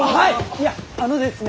いやあのですね